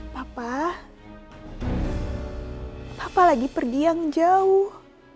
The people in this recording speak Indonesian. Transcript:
papa papa lagi pergi yang jauh